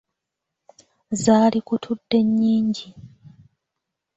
Zaalikutudde nnyingi.